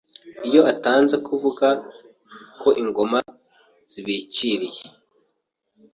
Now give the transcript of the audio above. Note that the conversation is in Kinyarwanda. Iyo atanze bavuga ko Ingoma Zibikiriye;